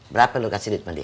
berapa lu kasih duit sama dia